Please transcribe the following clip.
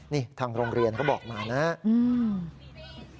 นี่ทางโรงเรียนเขาบอกมานะครับ